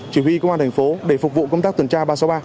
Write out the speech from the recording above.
chỉ huy công an tp hcm để phục vụ công tác tuần tra ba trăm sáu mươi ba